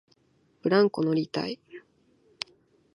ブランコ乗りたい